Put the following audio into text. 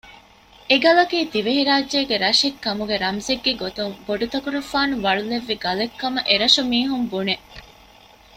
އެގަލަކީ ދިވެހިރާއްޖޭގެ ރަށެއްކަމުގެ ރަމްޒެއްގެ ގޮތުން ބޮޑުތަކުރުފާނު ވަޅުލެއްވި ގަލެއް ކަމަށް އެރަށު މީހުން ބުނެ